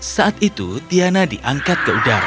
saat itu tiana diangkat ke udara